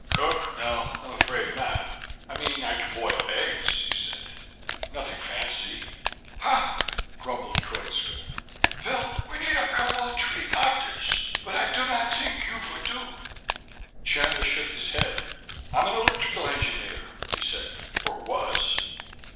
"Cook? No, I'm afraid not. I mean, I can boil eggs," he said. "Nothing fancy." "Hah," grumbled Koitska. "Vel. Ve need a couple, three doctors, but I do not t'ink you vould do." Chandler shook his head. "I'm an electrical engineer," he said. "Or was."